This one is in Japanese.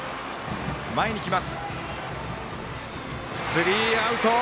スリーアウト。